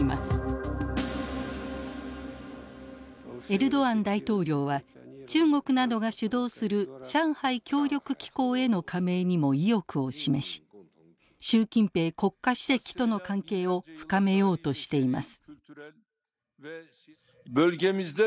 エルドアン大統領は中国などが主導する上海協力機構への加盟にも意欲を示し習近平国家主席との関係を深めようとしています。